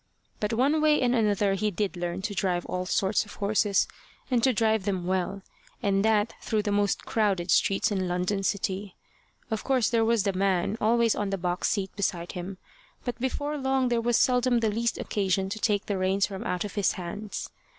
But one way and another he did learn to drive all sorts of horses, and to drive them well, and that through the most crowded streets in London City. Of course there was the man always on the box seat beside him, but before long there was seldom the least occasion to take the reins from out of his hands.